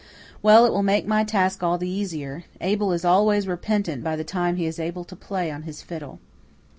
Well, it will make my task all the easier. Abel is always repentant by the time he is able to play on his fiddle."